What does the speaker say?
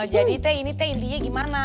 jadi ini intinya gimana